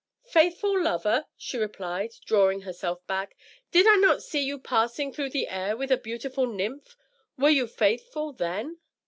"Faithful lover!" she replied, drawing herself back: "Did I not see you passing through the air with a beautiful nymph? were you faithful then?"